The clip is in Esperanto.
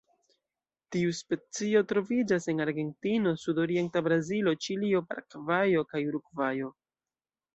Tiu specio troviĝas en Argentino, sudorienta Brazilo, Ĉilio, Paragvajo kaj Urugvajo.